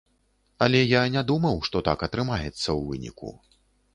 Але я не думаў, што так атрымаецца ў выніку.